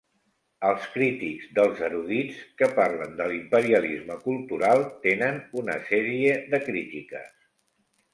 Els crítics dels erudits que parlen de l'imperialisme cultural tenen una sèrie de crítiques.